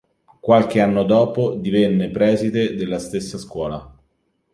Qualche anno dopo divenne preside della stessa scuola.